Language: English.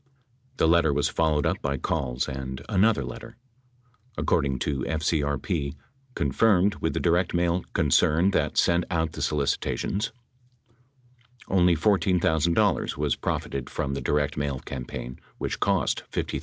The letter was followed up by calls and another letter. According to FCRP, confirmed with the direct mail concern that sent out the solicitations, only $14,000 was profited from the direct mail program which cost $53,000.